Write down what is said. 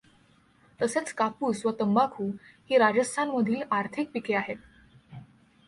तसेच कापूस व तंबाखू ही राजस्थानम्धील आर्थिक पिके आहे.